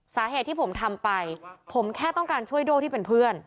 สาเหตุที่ผมทำไปผมแค่ต้องการช่วยโด่ที่เป็นเพื่อน